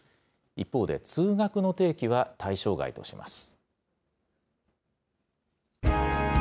一方で、通学の定期は対象外とします。